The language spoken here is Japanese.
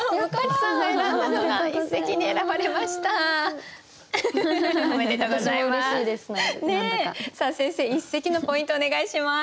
さあ先生一席のポイントをお願いします。